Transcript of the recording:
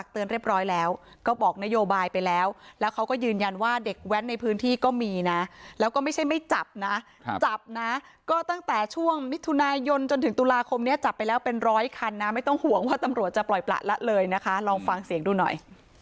เรียบร้อยแล้วก็บอกนโยบายไปแล้วแล้วเขาก็ยืนยันว่าเด็กแว้นในพื้นที่ก็มีนะแล้วก็ไม่ใช่ไม่จับนะจับนะก็ตั้งแต่ช่วงมิถุนายนจนถึงตุลาคมนี้จับไปแล้วเป็นร้อยคันนะไม่ต้องห่วงว่าตำรวจจะปล่อยประละเลยนะคะลองฟังเสียงดูหน่อย